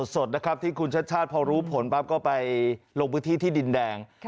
นั่นคือบรรยากาศสดที่คุณชัดชาติพอรู้ผลปรับก็ไปลงพื้นที่ที่ดินแดง